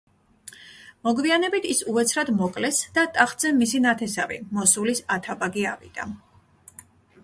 მოგვიანებით ის უეცრად მოკლეს და ტახტზე მის ნათესავი, მოსულის ათაბაგი ავიდა.